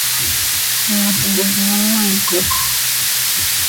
¿Moosni quij me moiicöya?